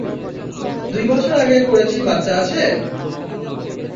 দুই বছর আগে করেছি বাচ্চা আছে?